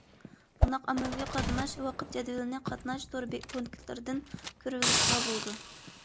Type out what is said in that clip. بۇنداق ئاممىۋى قاتناش ۋاقىت جەدۋىلىنى قاتناش تور پونكىتلىرىدىن كۆرۈۋېلىشقا بولىدۇ.